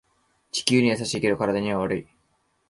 地球には優しいけど体には悪い